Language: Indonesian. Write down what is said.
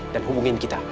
dan hubungin kita